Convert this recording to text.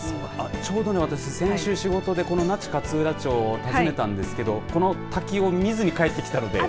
ちょうど私、先週仕事で那智勝浦町を訪ねたんですけどこの滝を見ずに帰ってきたので。